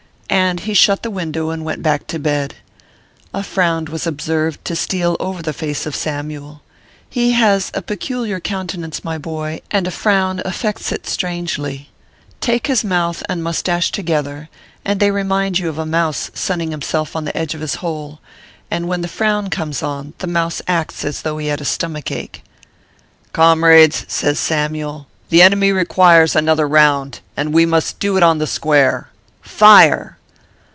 And he shut the window, and went back to bed. A frown was observed to steal over the face of Sam yule. He has a peculiar countenance, my boy, and a frown affects it strangely. Take his mouth and moustache together, and they remind you of a mouse sunning himself on the edge of his hole ; and when the frown comes on, the mouse acts as though he had a stomach ache. " Comrades," says Samyule, " the enemy requires 12* 274 ORPHEUS C. KERR PAPERS. another round, and we must do it on the square. Fire